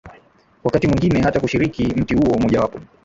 wakati mwingine hata kushiriki mti huo Mojawapo